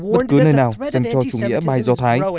bất cứ nơi nào dành cho chủ nghĩa bài do thái